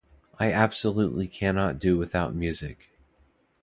I absolutely cannot do without music.